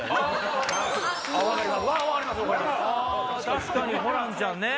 確かにホランちゃんね。